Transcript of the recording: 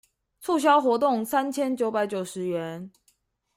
促銷活動三千九百九十元